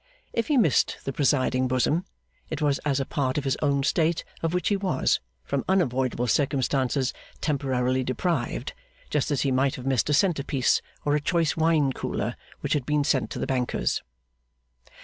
If he missed the presiding bosom, it was as a part of his own state of which he was, from unavoidable circumstances, temporarily deprived, just as he might have missed a centre piece, or a choice wine cooler, which had been sent to the Banker's.